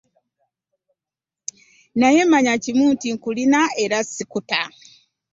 Naye manya kimu nti nkulina era ssikuta.